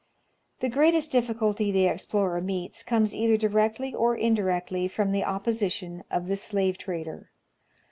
The greatest difficulty the explorer meets comes either directly or indirectly from the opposition of the slave trader.